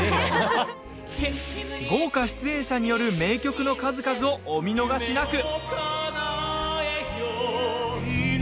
豪華出演者による名曲の数々をお見逃しなく。